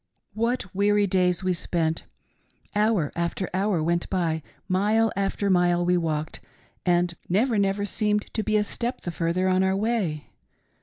" What weary days we spent ! Hour after hour went by, mile after mile we walked, and never, never seemed to be a step the further on our way.